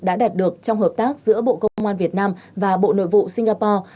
đã đạt được trong hợp tác giữa bộ công an việt nam và bộ nội vụ singapore